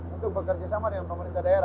untuk bekerja sama dengan pemerintah daerah